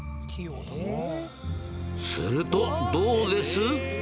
するとどうです？え！